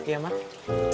lagi aneh aja gitu